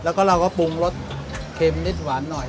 แล้วก็เราก็ปรุงรสเค็มนิดหวานหน่อย